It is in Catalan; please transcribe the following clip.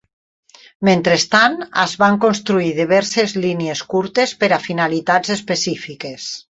Mentrestant, es van construir diverses línies curtes per a finalitats específiques.